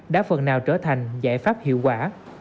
đã phần nào trở thành giải pháp hiệu quả